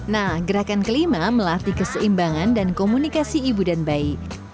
nah gerakan kelima melatih keseimbangan dan komunikasi ibu dan bayi